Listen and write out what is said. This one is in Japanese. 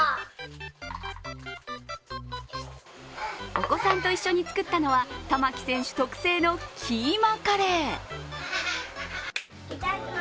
お子さんと一緒に作ったのは玉置選手特製のキーマカレー。